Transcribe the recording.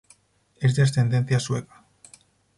Es de ascendencia sueca.